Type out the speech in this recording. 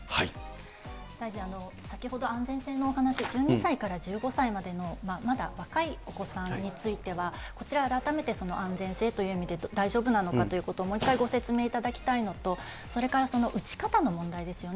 先ほど安全性のお話、１２歳から１５歳までのまだ、若いお子さんについては、こちらは改めて安全性という意味で、大丈夫なのかということを、もう一回ご説明いただきたいのと、それから、打ち方の問題ですよね。